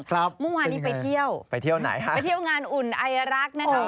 ครับเป็นยังไงไปเที่ยวไปเที่ยวไหนฮะไปเที่ยวงานอุ่นอายรักษ์นะครับ